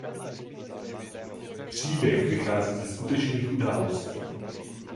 Příběh vychází ze skutečných událostí.